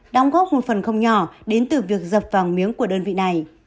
đóng góp một phần không nhỏ đến từ việc dập vàng miếng của đơn vị này